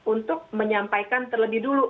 untuk menyampaikan terlebih dulu